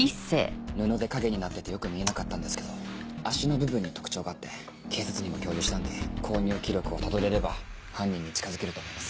布で陰になっててよく見えなかったんですけど脚の部分に特徴があって警察にも共有したんで購入記録をたどれれば犯人に近づけると思います。